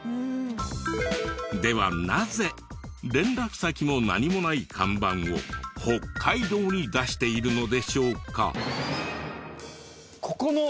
ではなぜ連絡先も何もない看板を北海道に出しているのでしょうか？